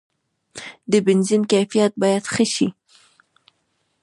د بنزین کیفیت باید ښه شي.